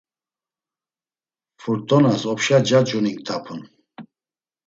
Furt̆onas opşa nca cuninktapun.